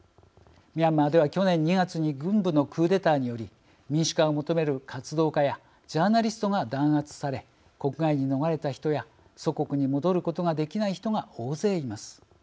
ミャンマーでは去年２月に軍部のクーデターにより民主化を求める活動家やジャーナリストが弾圧され国外に逃れた人や祖国に戻ることができない人が大勢います。